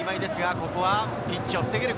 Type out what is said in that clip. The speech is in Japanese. ここはピンチを防げるか？